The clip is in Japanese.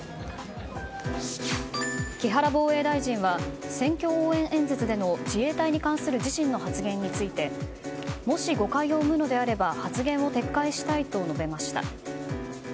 木原防衛大臣は選挙応援演説での自衛隊に関する自身の発言についてもし誤解を生むのであれば発言を撤回したいと述べました。